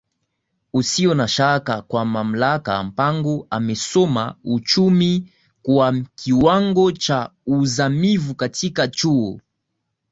usio na shaka kwa mamlakaMpango amesoma uchumi kwa kiwango cha uzamivu katika Chuo